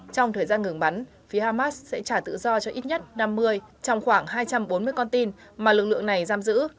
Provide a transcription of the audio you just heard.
trong thời gian ngừng bắn phía hamas sẽ trả tự do cho ít nhất năm mươi trong khoảng hai trăm bốn mươi con tin mà lực lượng này giam giữ